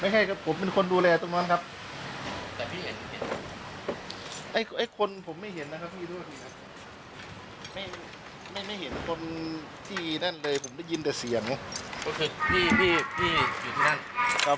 ถ้าผมอยู่ข้างหน้าครับผมอยู่ที่หน้าร้านเลยครับผมครับ